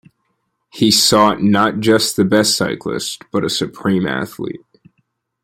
He sought not just the best cyclist but a supreme athlete.